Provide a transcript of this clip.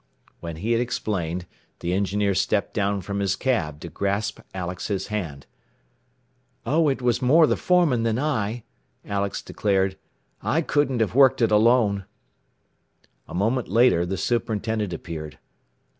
When he had explained the engineer stepped down from his cab to grasp Alex's hand. "Oh, it was more the foreman than I," Alex declared. "I couldn't have worked it alone." A moment later the superintendent appeared.